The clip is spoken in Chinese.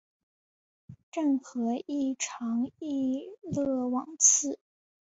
郑和亦尝裔敕往赐。